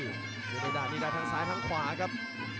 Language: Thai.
ยนต์เนดานี่ได้ทางซ้ายทางขวาครับ